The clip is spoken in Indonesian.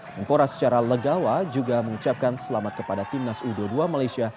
menpora secara legawa juga mengucapkan selamat kepada timnas u dua puluh dua malaysia